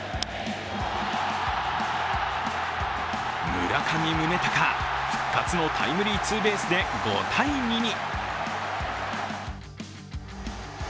村上宗隆、復活のタイムリーツーベースで５−２に。